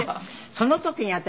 その時に私